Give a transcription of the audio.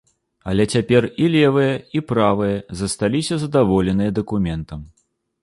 Але цяпер і левыя, і правыя засталіся задаволеныя дакументам.